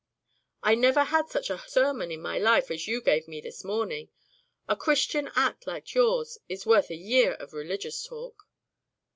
"I never had such a sermon in my life as you gave me this morning. A Christian act like yours is worth a year of religious talk."